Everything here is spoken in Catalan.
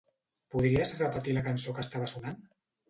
Podries repetir la cançó que estava sonant?